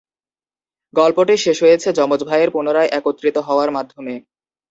গল্পটি শেষ হয়েছে যমজ ভাইয়ের পুনরায় একত্রিত হওয়ার মাধ্যমে।